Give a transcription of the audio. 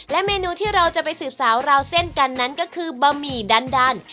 เมนูที่เราจะไปสืบสาวราวเส้นกันนั้นก็คือบะหมี่ดัน